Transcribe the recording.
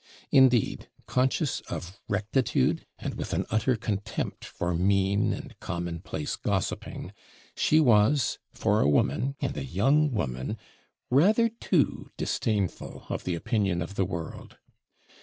Indeed, conscious of rectitude, and with an utter contempt for mean and commonplace gossiping, she was, for a woman, and a young woman, rather too disdainful of the opinion of the world.